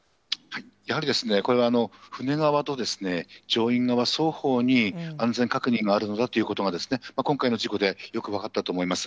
やはり、これは船側と乗員側、双方に安全確認があるのだということが、今回の事故でよく分かったと思います。